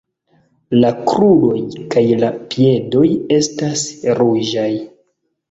La kruroj kaj la piedoj estas ruĝaj.